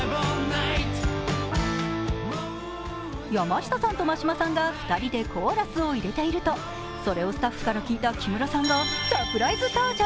山下さんと真島さんが２人でコーラスを入れているとそれをスタッフから聞いた木村さんが、サプライズ登場。